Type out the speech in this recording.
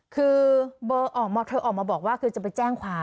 คือเบอร์ออกมาเธอออกมาบอกว่าจะไปแจ้งความ